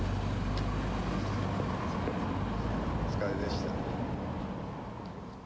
お疲れでした。